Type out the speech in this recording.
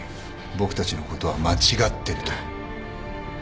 僕たちのことは間違ってると。